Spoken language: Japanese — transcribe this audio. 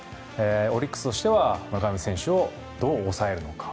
オリックスとしては村上選手をどう抑えるのか。